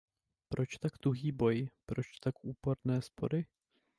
Proč tak tuhý boj, proč tak úporné spory?